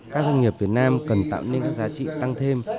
các doanh nghiệp việt nam cần tạm nên giá trị tăng thêm